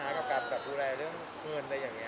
ไม่ค่ะทำได้ช่วงเวลาทั้งแบบซักซัน